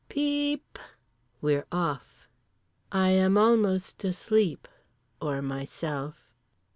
PEE p…. We're off. I am almost asleep. Or myself.